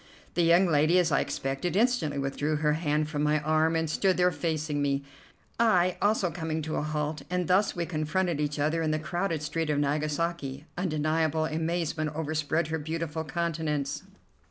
The young lady, as I expected, instantly withdrew her hand from my arm, and stood there facing me, I also coming to a halt; and thus we confronted each other in the crowded street of Nagasaki. Undeniable amazement overspread her beautiful countenance.